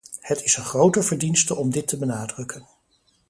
Het is een grote verdienste om dit te benadrukken.